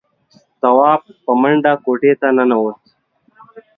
تواب په منډه کوټې ته ننوت.